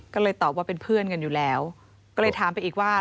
ก็เลยตอบว่าเป็นเพื่อนกันอยู่แล้วก็เลยถามไปอีกว่า